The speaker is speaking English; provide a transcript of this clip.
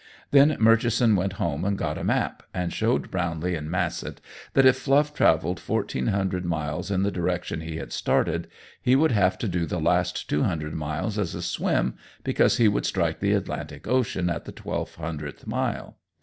Then Murchison went home and got a map, and showed Brownlee and Massett that if Fluff traveled fourteen hundred miles in the direction he had started he would have to do the last two hundred miles as a swim, because he would strike the Atlantic Ocean at the twelve hundredth mile.